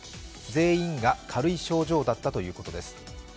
全員が軽い症状だったということです。